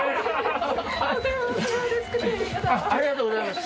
ありがとうございます